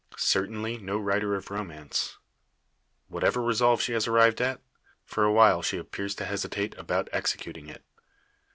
Certainly, no writer of romance. Whatever resolve she has arrived at, for a while she appears to hesitate about executing it.